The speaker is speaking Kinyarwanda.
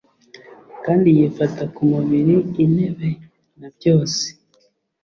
Kandi yifata ku mubiri intebe na byose